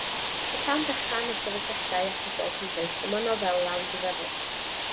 Yn llawn dychan o sefydliadau a phobl Cymru, dyma nofel lawn difyrrwch.